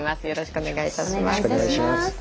よろしくお願いします。